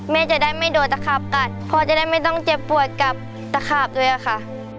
แม่จะได้ไม่โดดตะขาบกัดพ่อจะได้ไม่ต้องเจ็บปวดกับตะขาบด้วยค่ะ